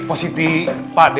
pak siti pak d